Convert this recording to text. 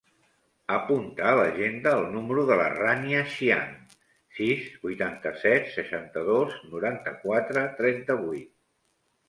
Apunta a l'agenda el número de la Rània Xiang: sis, vuitanta-set, seixanta-dos, noranta-quatre, trenta-vuit.